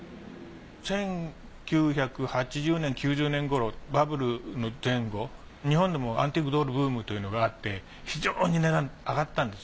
１９８０年１９９０年頃バブルの前後日本でもアンティークドールブームというのがあって非常に値段上がったんです。